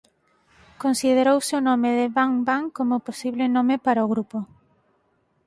Considerouse o nome de Bang Bang como posible nome para o grupo.